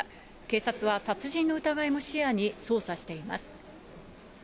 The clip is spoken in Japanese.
警察は殺人の疑いも視野に捜査しています。